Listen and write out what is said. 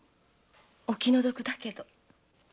お気の毒だけど。